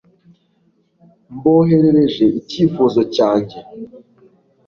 Mboherereje icyifuzo cyanjye